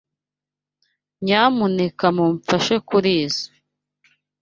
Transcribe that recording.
Nyamuneka mumfashe kurizoi.